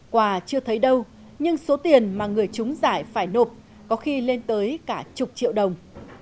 quà chưa thấy đâu nhưng số tiền mà người chúng giải phải nộp có khi lên tới cả chục triệu đồng